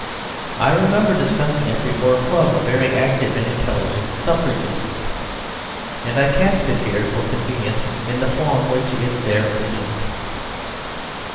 I remember discussing it before a club of very active and intelligent Suffragists, and I cast it here for convenience in the form which it there assumed.